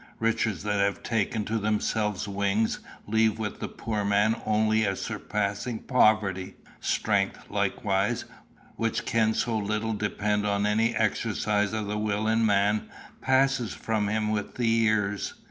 Riches that have taken to themselves wings leave with the poor man only a surpassing poverty. Strength, likewise, which can so little depend on any exercise of the will in man, passes from him with the years.